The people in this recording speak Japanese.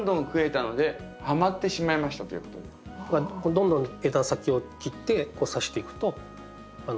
どんどん枝先を切ってさしていくと増えます。